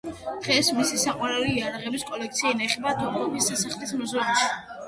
დღეს მისი საყვარელი იარაღების კოლექცია ინახება თოფქაფის სასახლის მუზეუმში.